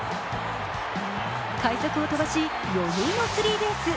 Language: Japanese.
快足を飛ばし余裕のスリーベース。